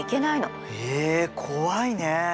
え怖いね。